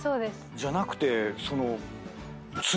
じゃなくてその。